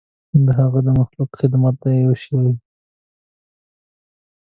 د هغه د مخلوق خدمت دی پوه شوې!.